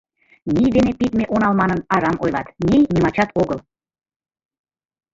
— Ний дене пидме онал манын, арам ойлат, ний нимачат огыл.